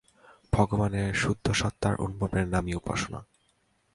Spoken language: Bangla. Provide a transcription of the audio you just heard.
ভগবানের শুদ্ধসত্তার অনুভবের নামই উপাসনা।